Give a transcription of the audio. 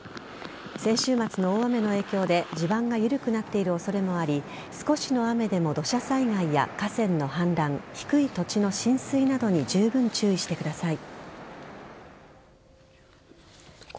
先週末の大雨の影響で地盤が緩くなっている恐れもあり少しの雨でも土砂災害や河川の氾濫低い土地の浸水などにじゅうぶん注意してください。